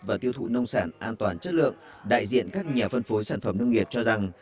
và tiêu thụ nông sản an toàn chất lượng đại diện các nhà phân phối sản phẩm nông nghiệp cho rằng